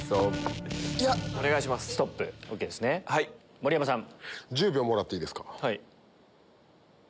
盛山さん。